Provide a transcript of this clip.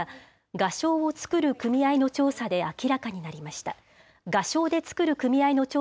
画商で作る組合の調査で明らかになりました。